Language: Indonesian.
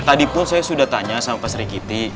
tadi pun saya sudah tanya sama pak sri kiti